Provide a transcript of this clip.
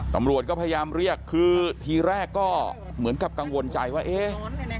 ตำรวจก็พยายามเรียกคือทีแรกก็เหมือนกับกังวลใจว่าเอ๊ะ